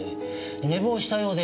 寝坊したようで。